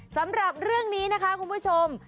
สำหรับเรื่องนี้นะคะคุณผู้ชม